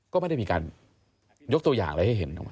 ก็ไม่ได้มีการยกตัวอย่างอะไรให้เห็นถูก